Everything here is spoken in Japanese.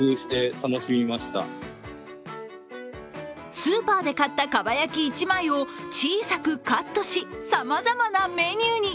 スーパーで買ったかば焼き１枚を小さくカットしさまざまなメニューに。